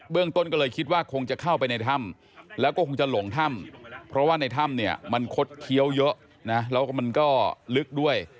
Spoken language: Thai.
ต้นก็เลยคิดว่าคงจะเข้าไปในถ้ำแล้วก็คงจะหลงถ้ำเพราะว่าในถ้ำเนี่ยมันคดเคี้ยวเยอะนะแล้วก็มันก็ลึกด้วย